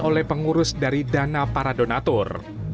oleh pengurus dari dana para donatur